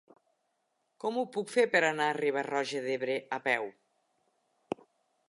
Com ho puc fer per anar a Riba-roja d'Ebre a peu?